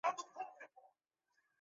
Mchele moja mapishi mengi